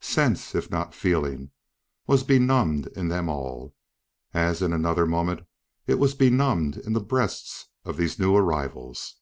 Sense, if not feeling, was benumbed in them all, as in another moment it was benumbed in the breasts of these new arrivals.